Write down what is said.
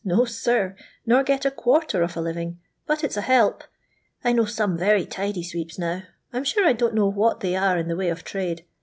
No, sir, nor get a quarter of a living; but it 's a help. I know some very tidy sweeps now. I 'm sure I don't know what they are in the way of trade.